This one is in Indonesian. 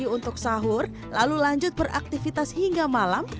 pergi untuk sahur lalu lanjut beraktivitas hingga malam